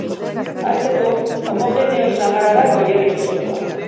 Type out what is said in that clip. Hasteko, homogeneo samarra da Goierri osokoa.